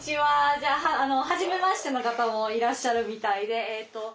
じゃあはじめましての方もいらっしゃるみたいで。